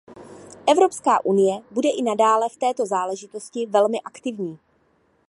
Evropská unie bude i nadále v této záležitosti velmi aktivní.